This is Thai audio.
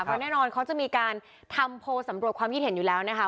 เพราะแน่นอนเขาจะมีการทำโพลสำรวจความคิดเห็นอยู่แล้วนะคะ